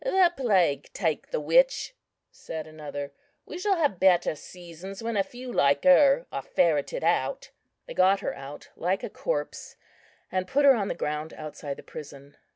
"The plague take the witch," said another; "we shall have better seasons when a few like her are ferreted out." They got her out like a corpse, and put her on the ground outside the prison.